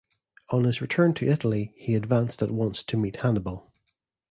On his return to Italy, he advanced at once to meet Hannibal.